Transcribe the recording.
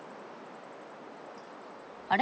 あれ？